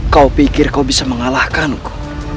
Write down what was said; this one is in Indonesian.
kau pikir kau bisa mengalahkanku